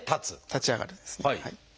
立ち上がるんですね。